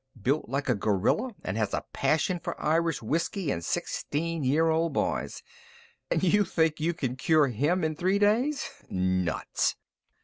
Built like a gorilla and has a passion for Irish whisky and sixteen year old boys and you think you can cure him in three days! Nuts!"